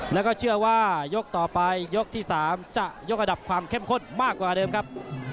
แล้วก็เชื่อว่ายกต่อไปยกที่๓จะยกระดับความเข้มข้นมากกว่าเดิมครับ